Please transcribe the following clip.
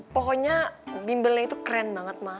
pokoknya bimbelnya itu keren banget